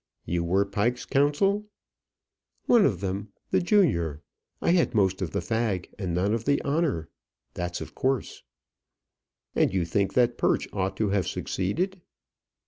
"You were Pike's counsel?" "One of them the junior. I had most of the fag and none of the honour. That's of course." "And you think that Perch ought to have succeeded?"